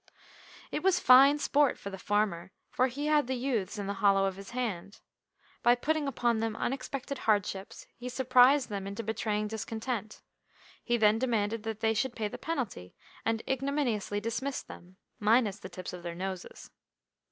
It was fine sport for the farmer, for he had the youths in the hollow of his hand. By putting upon them unexpected hardships, he surprised them into betraying discontent. He then demanded that they should pay the penalty, and ignominiously dismissed them, minus the tips of their noses.